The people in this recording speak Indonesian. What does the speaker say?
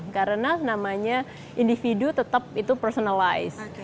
karena namanya individu tetap itu personalize